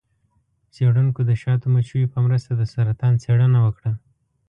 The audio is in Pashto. څیړونکو د شاتو مچیو په مرسته د سرطان څیړنه وکړه.